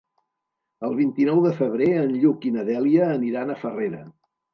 El vint-i-nou de febrer en Lluc i na Dèlia aniran a Farrera.